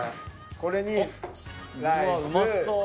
これにライス。